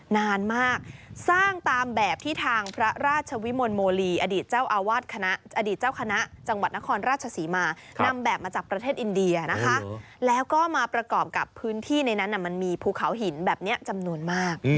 นานมากสร้างตามแบบที่ทางพระราชวิมลโมลีอดีตเจ้าอาวาสคณะอดีตเจ้าคณะจังหวัดนครราชศรีมานำแบบมาจากประเทศอินเดียนะคะแล้วก็มาประกอบกับพื้นที่ในนั้นมันมีภูเขาหินแบบนี้จำนวนมาก